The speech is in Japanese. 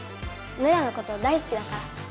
メラのこと大すきだから。